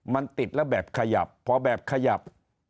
มันติดแล้วแบบขยับพอแบบขยับ